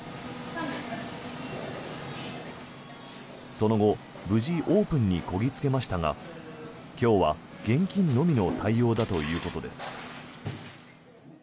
その後、無事オープンにこぎ着けましたが今日は現金のみの対応だということです。